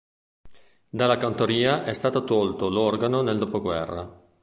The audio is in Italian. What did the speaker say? Dalla cantoria è stato tolto l'organo nel dopoguerra.